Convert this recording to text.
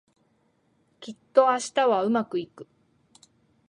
きっと明日はうまくいく